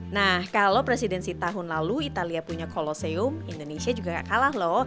nah kalau presidensi tahun lalu italia punya koloseum indonesia juga gak kalah loh